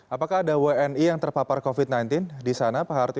apakah ada wni yang terpapar covid sembilan belas di sana pak harti